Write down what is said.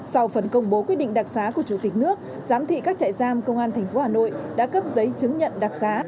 sau phần công bố quyết định đặc sá của thủ tướng nước giám thị các trại giam công an tp hà nội đã cấp giấy chứng nhận đặc sá